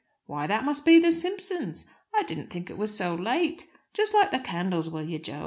"Why, that must be the Simpsons! I didn't think it was so late. Just light the candles, will you, Jo?